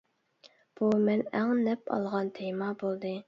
بۇ مەن ئەڭ نەپ ئالغان تېما بولدى.